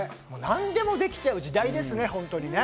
何でもできちゃう時代ですね、本当にね。